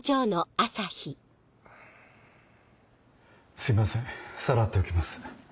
すいませんさらっておきます。